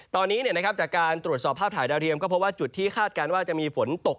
ตอนนี้จากการตรวจสอบภาพถ่ายดาวเทียมก็พบว่าจุดที่คาดการณ์ว่าจะมีฝนตก